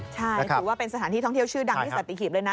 ใช่ถือว่าเป็นสถานที่ท่องเที่ยวชื่อดังที่สัตหีบเลยนะ